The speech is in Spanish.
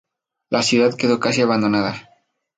La ciudad quedó casi abandonada.